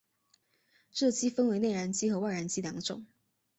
热机分为内燃机和外燃机两种。